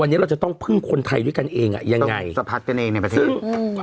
วันนี้เราจะต้องพึ่งคนไทยด้วยกันเองอ่ะยังไงสะพัดกันเองในประเทศ